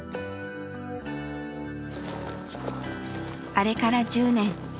あれから１０年。